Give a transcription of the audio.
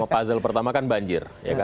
puzzle pertama kan banjir